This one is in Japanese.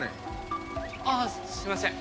ああすいません